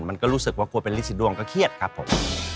มันก็รู้สึกว่ากลัวเป็นลิสิดวงก็เครียดครับผม